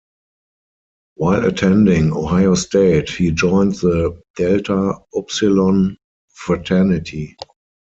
While attending Ohio State he joined the Delta Upsilon Fraternity.